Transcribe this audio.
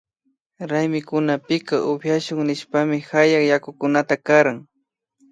Raymikunapika upyashun nishpami hayak yakukunata karan